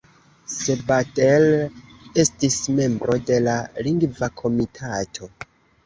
Sabadell estis membro de la Lingva Komitato.